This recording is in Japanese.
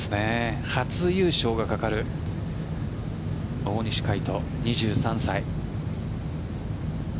初優勝がかかる大西魁斗、２３歳。